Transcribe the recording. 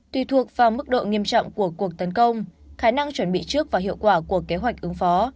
tùy thuộc vào mức độ nghiêm trọng của cuộc tấn công khả năng chuẩn bị trước và hiệu quả của kế hoạch ứng phó